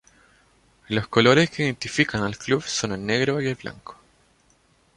Los colores que identifican al club son el negro y el blanco.